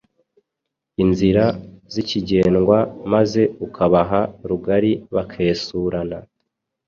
inzira zikigendwa maze ukabaha rugari bakesurana.